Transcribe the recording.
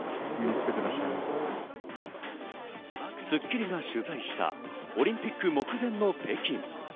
『スッキリ』が取材したオリンピック目前の北京。